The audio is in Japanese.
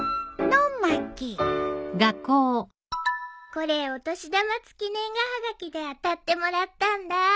これお年玉付年賀はがきで当たってもらったんだ。